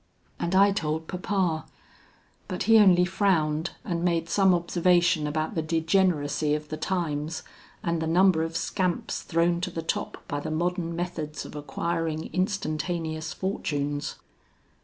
"And I told papa; but he only frowned and made some observation about the degeneracy of the times, and the number of scamps thrown to the top by the modern methods of acquiring instantaneous fortunes."